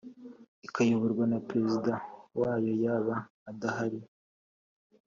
ikayoborwa na Perezida wayo yaba adahari